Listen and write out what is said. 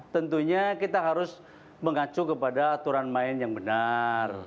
tentunya kita harus mengacu kepada aturan main yang benar